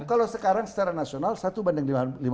kalau sekarang secara nasional satu banding lima puluh enam